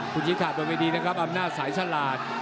คุณชิคกี้พายต้องไปดีนะครับอำนาจสายสลาด